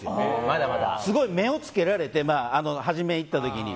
すごい目をつけられて初め行ったときに。